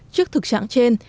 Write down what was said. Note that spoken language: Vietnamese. trước thực trạng trên